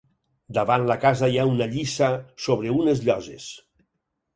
Davant la casa hi ha una lliça sobre unes lloses.